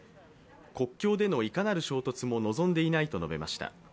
国境でのいかなる衝突も臨んでいないと述べました。